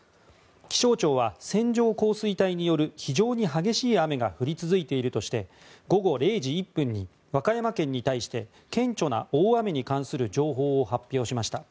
気象庁は線状降水帯による非常に激しい雨が降り続いているとして午後０時１分に和歌山県に対して顕著な大雨に関する情報を発表しました。